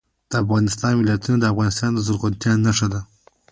د افغانستان ولايتونه د افغانستان د زرغونتیا نښه ده.